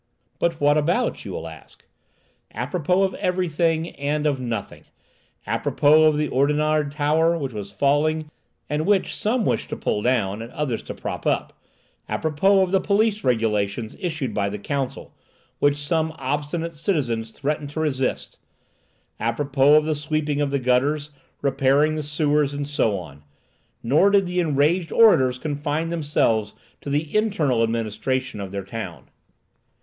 But what about? you will ask. Apropos of everything, and of nothing; apropos of the Oudenarde tower, which was falling, and which some wished to pull down, and others to prop up; apropos of the police regulations issued by the council, which some obstinate citizens threatened to resist; apropos of the sweeping of the gutters, repairing the sewers, and so on. Nor did the enraged orators confine themselves to the internal administration of the town.